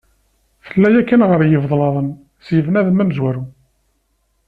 Tella yakkan ɣef yiblaḍen, si bnadem amezwaru.